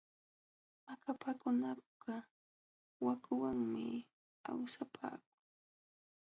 Akapakunakaq yakuwanmi awsapaaku.